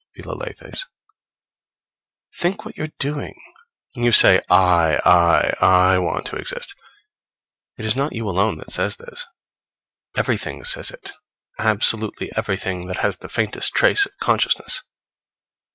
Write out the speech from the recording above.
Philalethes. Think what you're doing! When you say I, I, I want to exist, it is not you alone that says this. Everything says it, absolutely everything that has the faintest trace of consciousness.